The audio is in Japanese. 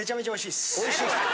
おいしいですか。